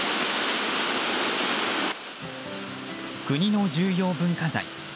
国の重要文化財